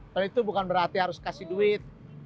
kalau itu bukan berarti harus kasih duit